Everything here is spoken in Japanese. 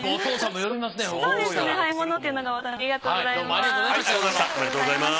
ありがとうございます。